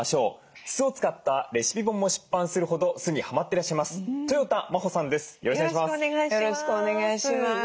酢を使ったレシピ本も出版するほど酢にはまってらっしゃいますとよた真帆さんです。